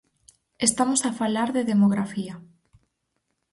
Estamos a falar de demografía.